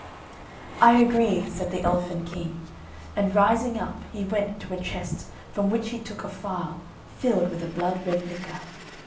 "I agree," said the Elfin King, and rising up he went to a chest from which he took a phial filled with a blood red liquor.